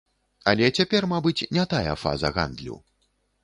Але цяпер, мабыць, не тая фаза гандлю.